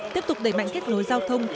tiếp tục đẩy mạnh kết nối giao thông